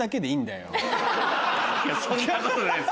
そんなことないです。